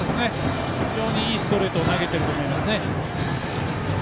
非常にいいストレートを投げていると思います。